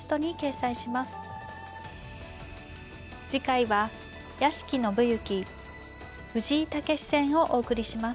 次回は屋敷伸之藤井猛戦をお送りします。